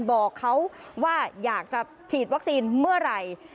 บอกเขาว่าอยากจะฉีดวัคซีนเมื่อไหร่